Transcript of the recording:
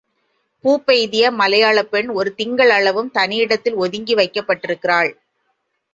பூப்பெய்திய மலையாளப் பெண், ஒரு திங்கள் அளவும் தனியிடத்தில் ஒதுக்கி வைக்கப்படுகிருள்.